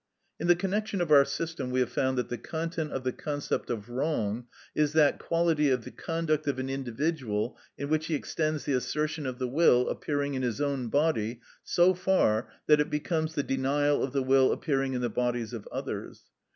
In the connection of our system we have found that the content of the concept of wrong is that quality of the conduct of an individual in which he extends the assertion of the will appearing in his own body so far that it becomes the denial of the will appearing in the bodies of others.